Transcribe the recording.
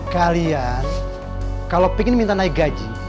kalian kalau ingin minta naik gaji